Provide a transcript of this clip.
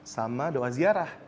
sama doa ziarah